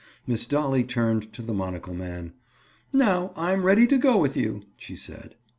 Miss Dolly turned to the monocle man. "Now, I'm ready to go with you," she said.